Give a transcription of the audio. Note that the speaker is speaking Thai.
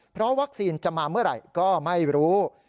เพราะวัคซีนจะมาเมื่อไหร่ก็ไม่รู้